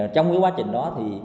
trong cái quá trình đó